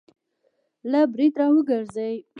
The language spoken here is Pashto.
له برید را وګرځي